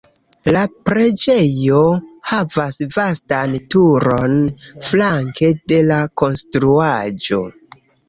La preĝejo havas vastan turon flanke de la konstruaĵo.